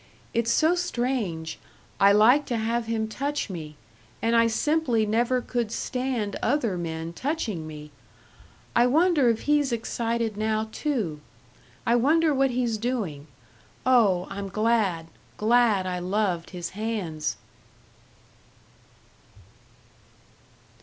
It's so strange I like to have him touch me, and I simply never could stand other men touching me!... I wonder if he's excited now, too? I wonder what he's doing.... Oh, I'm glad, glad I loved his hands!"